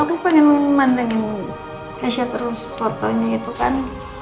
aku kan pengen mandang kece terus fotonya itu kan